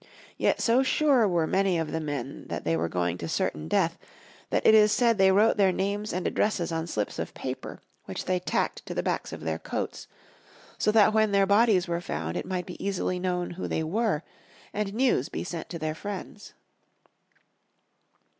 Yet so sure were many of the men that they were going to certain death that it is said they wrote their names and addresses on slips of paper which they tacked to the backs of their coats, so that when their bodies were found it might be easily known who they were, and news be sent to their friends.